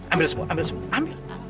ambil semua ambil semua ambil